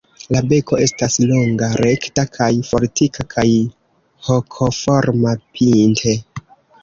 La beko estas longa, rekta kaj fortika kaj hokoforma pinte.